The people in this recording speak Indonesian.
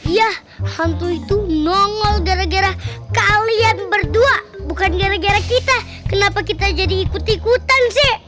ya hantu itu nongol gara gara kalian berdua bukan gara gara kita kenapa kita jadi ikut ikutan sih